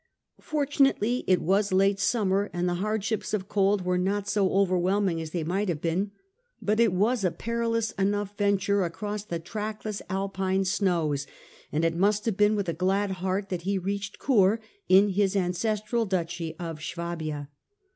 Fortu nately it was late summer and the hardships of cold were not so overwhelming as they might have been ; but it was a perilous enough venture across the trackless Alpine snows, and it must have been with a glad heart that he reached Coire, in his ancestral Duchy of Suabia.